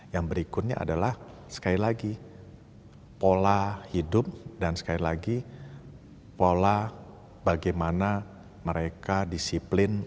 yang berikutnya adalah sekali lagi pola hidup dan sekali lagi pola bagaimana mereka disiplin